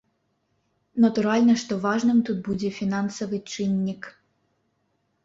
Натуральна, што важным тут будзе фінансавы чыннік.